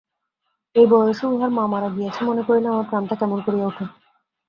এই বয়সে উহার মা মারা গিয়াছে মনে করিলে আমার প্রাণটা কেমন করিয়া উঠে।